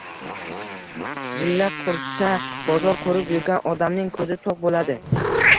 Jilla qursa, bozor ko‘rib yurgan odamning ko‘zi to‘q bo‘ladi.